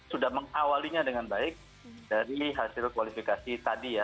sudah mengawalinya dengan baik dari hasil kualifikasi tadi ya